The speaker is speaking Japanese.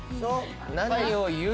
「何を言う」。